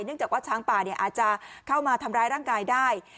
จากว่าช้างป่าอาจจะเข้ามาทำร้ายร่างกายได้